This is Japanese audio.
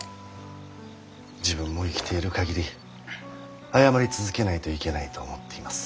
自分も生きている限り謝り続けないといけないと思っています。